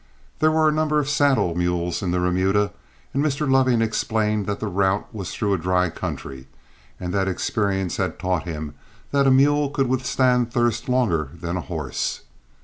There were a number of saddle mules in the remuda, and Mr. Loving explained that the route was through a dry country, and that experience had taught him that a mule could withstand thirst longer than a horse.